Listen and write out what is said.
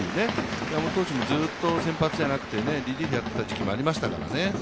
山本投手もずっと先発じゃなくて、リリーフをやっていた時期もありますのでね。